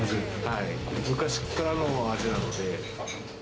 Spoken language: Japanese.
昔からの味なので。